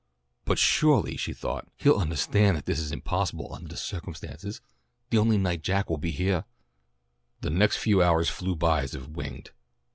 "But suahly," she thought, "he'll undahstand that that is impossible undah the circumstances the only night Jack will be heah." The next few hours flew by as if winged.